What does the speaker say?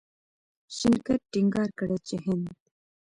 شنکر ټينګار کړی چې هند